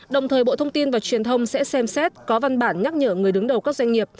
đồng thời bộ thông tin và truyền thông sẽ xem xét có văn bản nhắc nhở người đứng đầu các doanh nghiệp